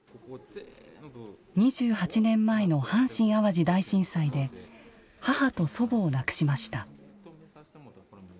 ２８年前の阪神・淡路大震災で母と祖母を亡くしました。